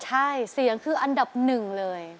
ใช่เสียงคืออันดับหนึ่งเลย